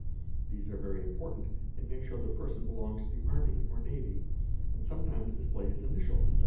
These are vers important, they may show that the person belongs to the army or nay y and sometimes display his initials, etc.